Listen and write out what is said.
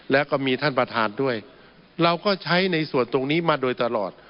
แล้วก็มีท่านประธานด้วยเราก็ใช้ในส่วนตรงนี้มาโดยตลอด